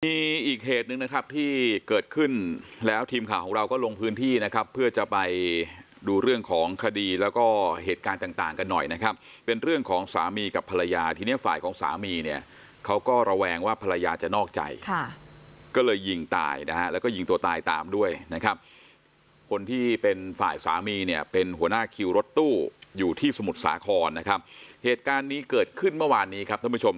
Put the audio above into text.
มีอีกเหตุหนึ่งนะครับที่เกิดขึ้นแล้วทีมข่าวของเราก็ลงพื้นที่นะครับเพื่อจะไปดูเรื่องของคดีแล้วก็เหตุการณ์ต่างต่างกันหน่อยนะครับเป็นเรื่องของสามีกับภรรยาทีนี้ฝ่ายของสามีเนี่ยเขาก็ระแวงว่าภรรยาจะนอกใจค่ะก็เลยยิงตายนะฮะแล้วก็ยิงตัวตายตามด้วยนะครับคนที่เป็นฝ่ายสามีเนี่ยเป็นหัวหน้าคิวรถตู้อย